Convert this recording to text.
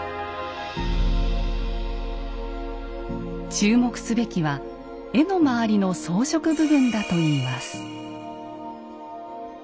注目すべきは絵の周りの装飾部分だといいます。